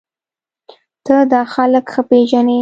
ته دا خلک ښه پېژنې